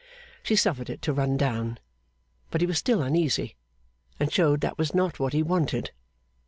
She suffered it to run down; but he was still uneasy, and showed that was not what he wanted.